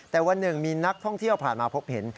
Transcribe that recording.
แต่วันหนึ่งมีนักท่องเที่ยวผ่านมาพบเห็น